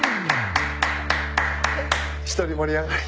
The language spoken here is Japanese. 一人盛り上がり。